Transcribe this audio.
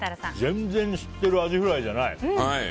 全然知ってるアジフライじゃない。